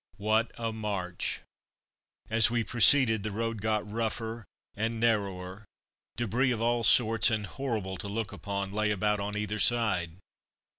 What a march! As we proceeded, the road got rougher and narrower: debris of all sorts, and horrible to look upon, lay about on either side.